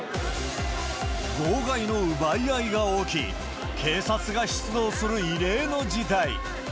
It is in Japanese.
号外の奪い合いが起き、警察が出動する異例の事態。